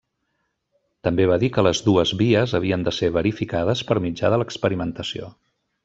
També va dir que les dues vies havien de ser verificades per mitjà de l'experimentació.